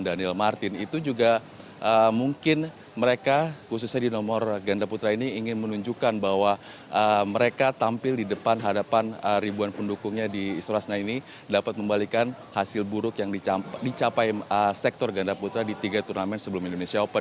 dan fajarian juga menunjukkan bahwa mereka tampil di depan hadapan ribuan pendukungnya di istirahatnya ini dapat membalikan hasil buruk yang dicapai sektor ganda putra di tiga turnamen sebelum indonesia open